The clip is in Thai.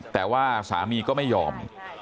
แต่ว่าสามีก็ไม่ยอม